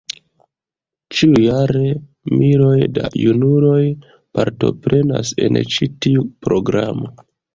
Ĉiujare, miloj da junuloj partoprenas en ĉi tiu programo.